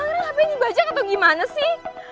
akhirnya hp dibajak atau gimana sih